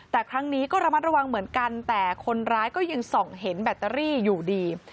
แต่ครั้งนี้ก็ระมัดระวังเหมือนกันแต่คนร้ายก็ยังส่องเห็นแบตเตอรี่อยู่ดี